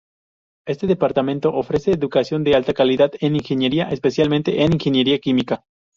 Este departamento ofrece educación de alta calidad en ingeniería, especialmente en Ingeniería Química.